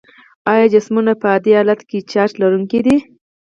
آیا جسمونه په عادي حالت کې چارج لرونکي دي؟